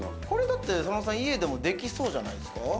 これだったら佐野さん、家でもできそうじゃないですか？